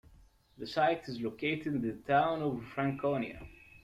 The site is located in the town of Franconia.